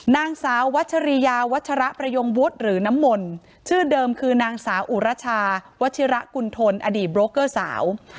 นางสาววัชริยาวัชระประยงวุฒิหรือน้ำมนต์ชื่อเดิมคือนางสาวอุรชาวัชิระกุณฑลอดีตโบรกเกอร์สาว